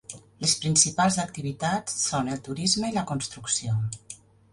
Les principals activitats són el turisme i la construcció.